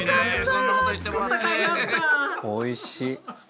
おいしい。